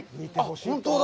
本当だ！